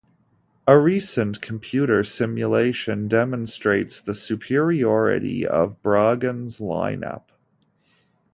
A recent computer simulation demonstrates the superiority of Bragan's lineup.